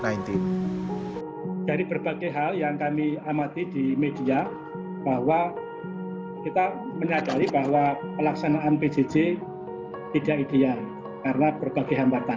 saya dengan pengetahuan memwelajari di media bahwa kita menyadari bahwa pelaksanaan pgj tidak ideal karena berbagai hambatan